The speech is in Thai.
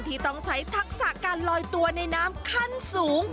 ที่ต้องใช้ทักษะการลอยตัวในน้ำขั้นสูง